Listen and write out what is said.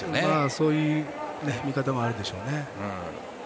そういう見方もあるでしょうね。